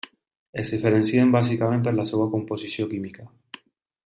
Es diferencien, bàsicament, per la seva composició química.